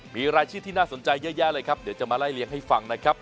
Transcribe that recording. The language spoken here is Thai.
มีรายชื่อที่น่าสนใจเยอะแยะเลยครับเดี๋ยวจะมาไล่เลี้ยงให้ฟังนะครับ